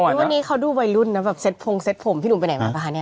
วันนี้เขาดูวัยรุ่นนะแบบเซ็ตผงเซ็ตผมพี่หนูไปไหนมา